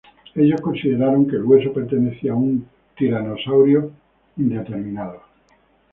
Ellos consideraron que el hueso pertenecía a un tiranosáurido indeterminado.